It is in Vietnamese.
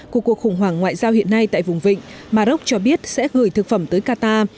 của cuộc khủng hoảng ngoại giao hiện nay tại vùng vịnh mà rốc cho biết sẽ gửi thực phẩm tới qatar